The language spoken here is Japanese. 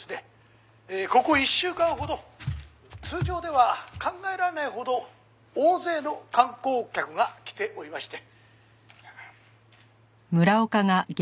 ここ１週間ほど通常では考えられないほど大勢の観光客が来ておりまして」